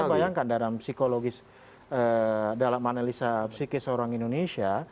saya bayangkan dalam psikologis dalam analisa psikis orang indonesia